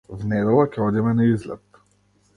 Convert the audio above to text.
В недела ќе одиме на излет.